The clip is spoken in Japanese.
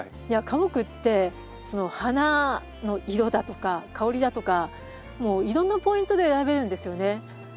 花木ってその花の色だとか香りだとかもういろんなポイントで選べるんですよね。